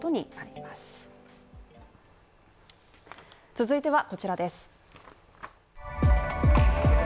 続いてはこちらです。